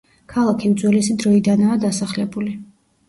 ქალაქი უძველესი დროიდანაა დასახლებული.